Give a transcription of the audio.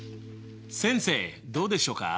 先生どうでしょうか？